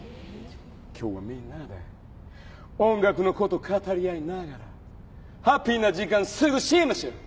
今日はみんなで音楽のこと語り合いながらハッピーな時間過ごしましょう。